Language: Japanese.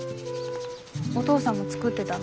お父さんも作ってだの？